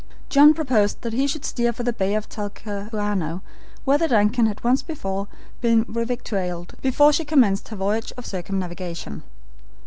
John proposed that he should steer for the Bay of Talcahuano, where the DUNCAN had once before been revictualed before she commenced her voyage of circumnavigation.